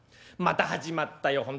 「また始まったよ